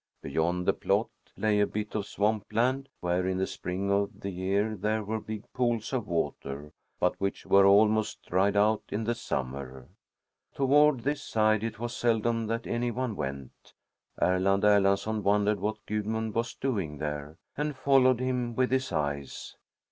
Beyond the plot lay a bit of swamp land where in the spring of the year there were big pools of water, but which were almost dried out in the summer. Toward this side it was seldom that any one went. Erland Erlandsson wondered what Gudmund was doing there, and followed him with his eyes.